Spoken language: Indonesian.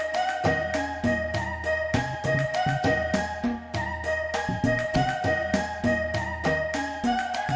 kalau mau kasih tahu nanti saya laporin ke polisi